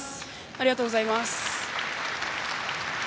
ありがとうございます。